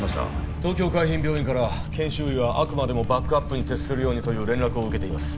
東京海浜病院から研修医はあくまでもバックアップに徹するようにという連絡を受けています